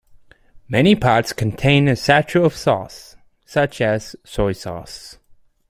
Many pots contain a sachet of sauce, such as soy sauce.